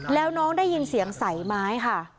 แล้วน้องได้ยินเสียงใสไม้ค่ะ